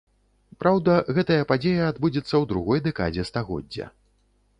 Праўда, гэтая падзея адбудзецца ў другой дэкадзе стагоддзя.